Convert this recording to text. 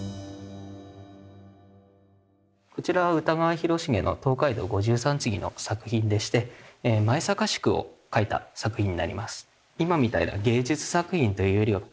こちらは歌川広重の「東海道五十三次」の作品でして舞坂宿を描いた作品になります。